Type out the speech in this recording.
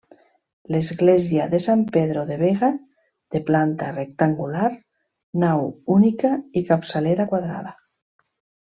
L'església de San Pedro de Vega, de planta rectangular, nau única i capçalera quadrada.